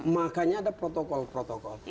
makanya ada protokol protokol